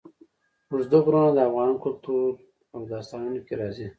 اوږده غرونه د افغان کلتور په داستانونو کې راځي.